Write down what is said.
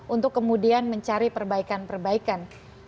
untuk kemudian mencari perbaikan perbaikan